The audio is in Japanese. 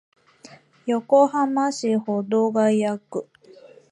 横浜市保土ケ谷区